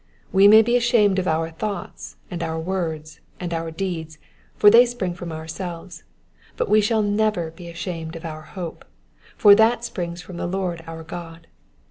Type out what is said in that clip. We may be ashamed of our thoughts, and our words, and our deeds, for they spring from ourselves ; but we never shall be ashamed of our hope, for that springs from the Lord our God.